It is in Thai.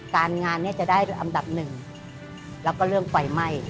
การงานเนี่ยจะได้ด้วยอันดับหนึ่งแล้วก็เรื่องไฟไหม้